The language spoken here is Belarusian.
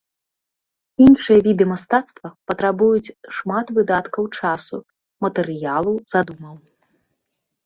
Іншыя віды мастацтва патрабуюць шмат выдаткаў часу, матэрыялу, задумаў.